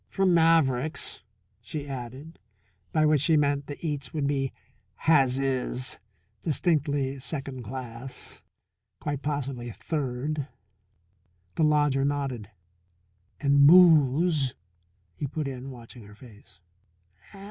"From Maverick's," she added. By which she meant the eats would be "has is" distinctly second class, quite possibly third. The lodger nodded. "And booze," he put in, watching her face.